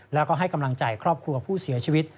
แล้วก็ให้กำลังใจครอบครัวผู้เสียชีวิต